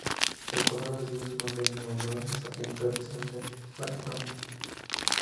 El condado recibe su nombre en honor al Sargento Alexander McDonald.